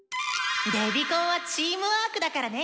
デビコンはチームワークだからね！